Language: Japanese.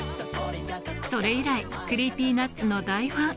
それ以来、ＣｒｅｅｐｙＮｕｔｓの大ファン。